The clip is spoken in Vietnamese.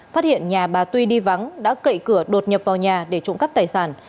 phát hiện nhà bà tuy đi vắng đã cậy cửa đột nhập vào nhà để trộm cắp tài sản